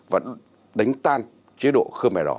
vẫn đánh tan chế độ khmer rò